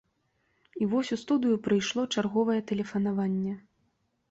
І вось у студыю прыйшло чарговае тэлефанаванне.